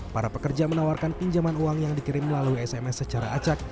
para pekerja menawarkan pinjaman uang yang dikirim melalui sms secara acak